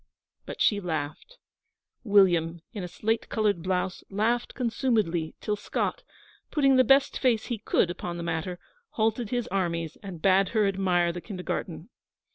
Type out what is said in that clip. But she laughed William, in a slate coloured blouse, laughed consumedly till Scott, putting the best face he could upon the matter, halted his armies and bade her admire the kindergarten.